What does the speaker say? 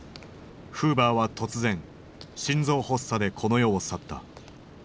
フーバーは突然心臓発作でこの世を去った。